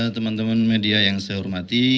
teman teman media yang saya hormati